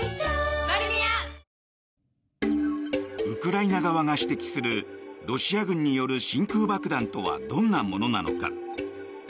ウクライナ側が指摘するロシア軍による真空爆弾とはどんなものなのか。